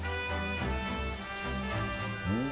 うん。